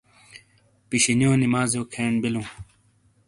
پِشِینیو نمازیو کھین بِیلوں۔